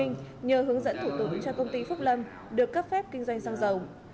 nhờ hướng dẫn thủ tục cho công ty phúc lâm được cấp phép kinh doanh sang dầu